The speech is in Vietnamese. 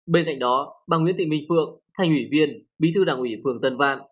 bên cạnh đó bà nguyễn thị minh phượng thành ủy viên bí thư đảng ủy phường tân văn